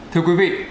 thưa quý vị